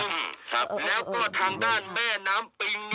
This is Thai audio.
ครับแล้วก็ทางด้านแม่น้ำปิง